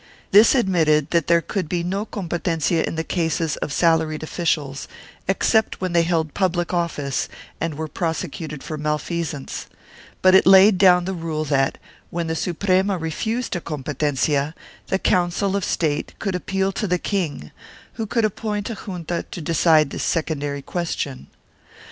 This admitted that there could be no competencia in the cases of salaried officials, except when they held public office and were prosecuted for malfeasance, but it laid down the rule that, when the Suprema refused a competencia, the Council of State could appeal to the king who could appoint a junta to decide this secondary question.